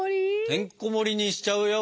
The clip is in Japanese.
てんこもりにしちゃうよ